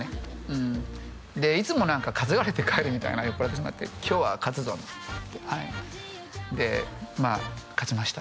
うんでいつも担がれて帰るみたいな酔っぱらってしまって今日は勝つぞってはいでまあ勝ちました